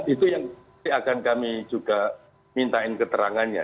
itu yang akan kami juga mintain keterangannya